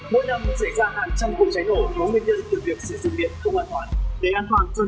mỗi năm sẽ ra hàng trăm cuộc cháy nổ có nguyên nhân